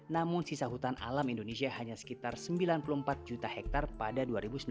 namun sisa hutan alam indonesia hanya sekitar sembilan puluh empat juta hektare pada dua ribu sembilan belas